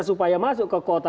supaya masuk ke kota